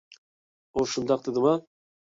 ئۇ شۇنداق دېدىما؟